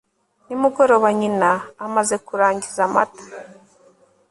nimugoroba, nyina amaze kurangiza amata